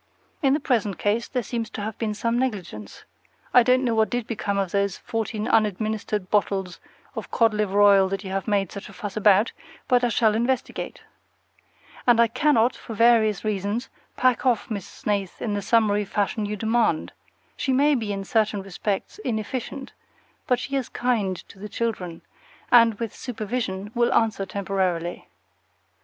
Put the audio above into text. In the present case there seems to have been some negligence; I don't know what did become of those fourteen unadministered bottles of cod liver oil that you have made such a fuss about, but I shall investigate. And I cannot, for various reasons, pack off Miss Snaith in the summary fashion you demand. She may be, in certain respects, inefficient; but she is kind to the children, and with supervision will answer temporarily.